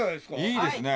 いいですね！